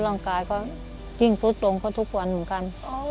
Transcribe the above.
ร่างกายก็ยิ่งสุดลงก็ทุกวันเหมือนกัน